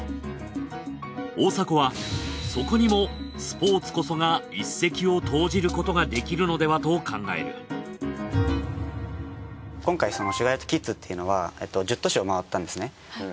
大迫はそこにもスポーツこそが一石を投じることができるのではと考える今回ＳｕｇａｒＥｌｉｔｅｋｉｄｓっていうのは１０都市を回ったんですね。